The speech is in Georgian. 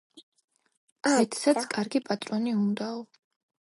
ბედსაც კარგი პატრონი უნდაო.